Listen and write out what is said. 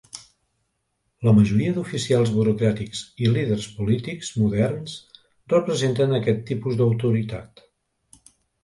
La majoria d'oficials burocràtics i líders polítics moderns representen aquest tipus d'autoritat.